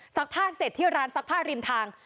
ผ้าเสร็จที่ร้านซักผ้าริมทาง